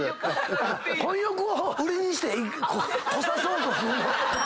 混浴を売りにして来さそうとするな。